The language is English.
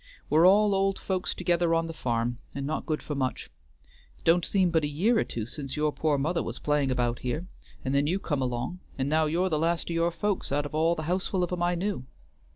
We're all old folks together on the farm, and not good for much. It don't seem but a year or two since your poor mother was playing about here, and then you come along, and now you're the last o' your folks out of all the houseful of 'em I knew.